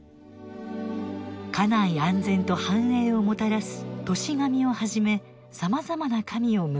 家内安全と繁栄をもたらす「歳神」をはじめさまざまな神を迎える。